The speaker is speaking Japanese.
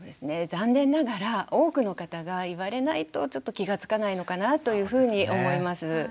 残念ながら多くの方が言われないとちょっと気が付かないのかなというふうに思います。